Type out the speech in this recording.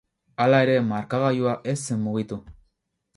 Hala ere, markagailua ez zen mugitu.